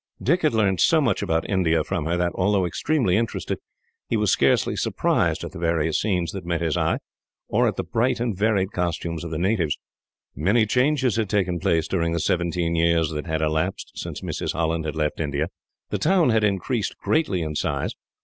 Dick had learned so much about India from her that, although extremely interested, he was scarcely surprised at the various scenes that met his eye, or at the bright and varied costumes of the natives. Many changes had taken place, during the seventeen years that had elapsed since Mrs. Holland had left India. The town had increased greatly in size.